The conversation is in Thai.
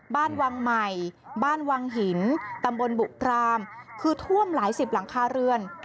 บ้านวังใหม่บ้านวังหินตำบลบุพรามคือท่วมหลายสิบหลังคาเรือน